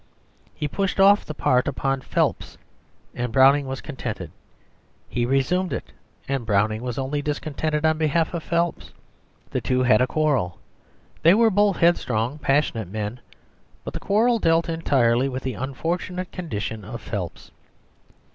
He pushed off the part upon Phelps, and Browning was contented; he resumed it, and Browning was only discontented on behalf of Phelps. The two had a quarrel; they were both headstrong, passionate men, but the quarrel dealt entirely with the unfortunate condition of Phelps.